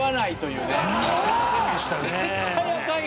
絶対あかんよね。